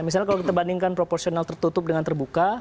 misalnya kalau kita bandingkan proporsional tertutup dengan terbuka